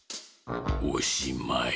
おしまい。